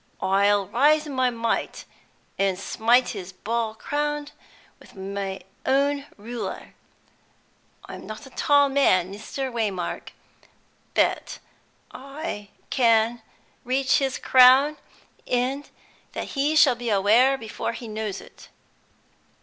I'll rise in my might, and smite his bald crown with his own ruler! I'm not a tall man, Mr. Waymark, but I can reach his crown, and that he shall be aware of before he knows ut.